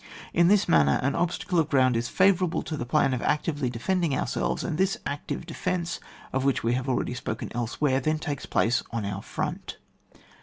In this manner an obstacle of ground is favourable to the plan of actively defending ourselves ; and this active defence, of which we have already spoken elsewhere, then takes place on our front.